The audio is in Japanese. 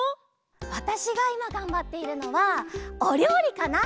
わたしがいまがんばっているのはおりょうりかな！